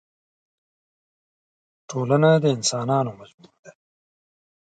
ټولنه د اسانانو مجموعه ده.